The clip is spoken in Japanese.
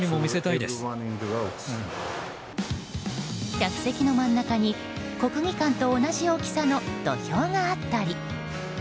客席の真ん中に国技館と同じ大きさの土俵があったり。